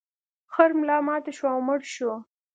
خر ملا ماته شوه او مړ شو.